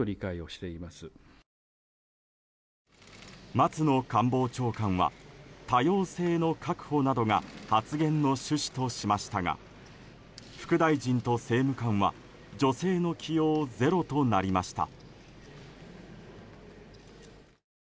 松野官房長官は多様性の確保などが発言の趣旨としましたが副大臣と政務官は女性の起用ゼロとなりました。